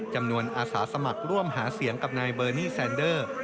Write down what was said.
อาสาสมัครร่วมหาเสียงกับนายเบอร์นี่แซนเดอร์